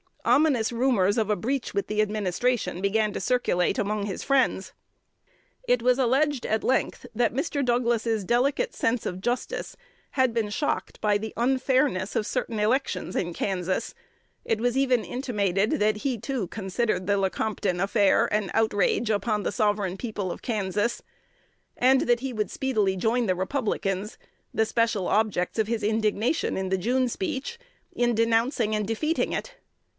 Ominous rumors of a breach with the administration began to circulate among his friends. It was alleged at length that Mr. Douglas's delicate sense of justice had been shocked by the unfairness of certain elections in Kansas: it was even intimated that he, too, considered the Lecompton affair an "outrage" upon the sovereign people of Kansas, and that he would speedily join the Republicans the special objects of his indignation in the June speech in denouncing and defeating it.